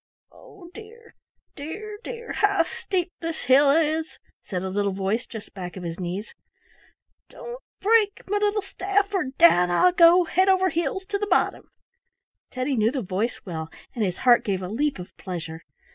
"Oh dear, dear, dear! How steep this hill is!" said a little voice just back of his knees. "Don't break, me little staff, or down I'll go, head over heels to the bottom." Teddy knew the voice well, and his heart gave a leap of pleasure.